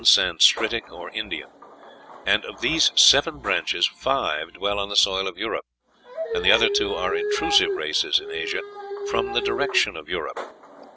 Sanscritic or Indian; and of these seven branches five dwell on the soil of Europe, and the other two are intrusive races in Asia from the direction of Europe.